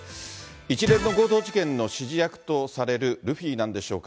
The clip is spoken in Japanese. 一連の強盗事件の指示役とされるルフィなんでしょうか。